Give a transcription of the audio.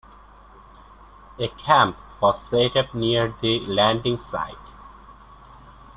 A camp was set up near the landing site.